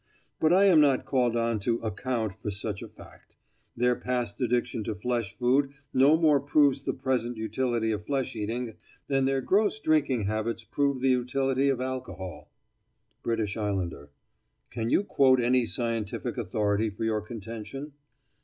But I am not called on to "account" for such a fact. Their past addiction to flesh food no more proves the present utility of flesh eating than their gross drinking habits prove the utility of alcohol. BRITISH ISLANDER: Can you quote any scientific authority for your contention?